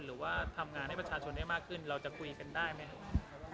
หรือว่าทำงานให้ประชาชนได้มากขึ้นเราจะคุยกันได้ไหมครับ